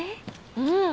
うん。